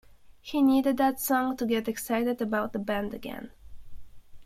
He needed that song to get excited about the band again.